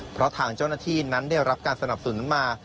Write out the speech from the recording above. เพราะทางเจ้าหน้าที่นั้นได้รับการสนับสนุนมา